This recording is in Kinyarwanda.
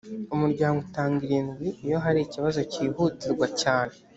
umuryango utanga irindwi iyo hari ikibazo cyihutirwa cyane.